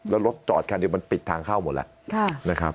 แล้วรถจอดคันเดียวมันปิดทางเข้าหมดแล้วนะครับ